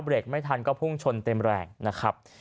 ถ้าเบรกไม่ทันก็พุ่งชนเต็มแรงนะครับ